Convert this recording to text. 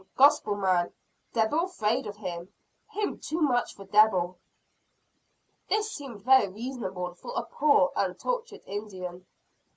gospel man! debbil 'fraid of him him too much for debbil!" This seemed very reasonable for a poor, untutored Indian.